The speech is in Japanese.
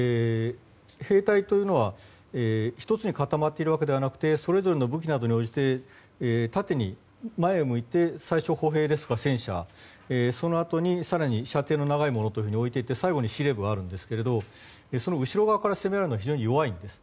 兵隊というのは１つに固まっているわけではなくそれぞれの武器などに応じて縦に、前へ向いて最初は歩兵ですとか戦車、そのあとに更に射程の長いというものを置いていって最後に司令部があるんですがその後ろ側から攻められるのに非常に弱いんです。